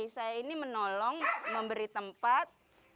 saya ini menolong memberi tempat